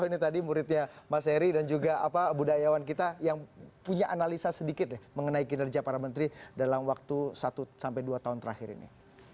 ini tadi muridnya mas eri dan juga budayawan kita yang punya analisa sedikit mengenai kinerja para menteri dalam waktu satu sampai dua tahun terakhir ini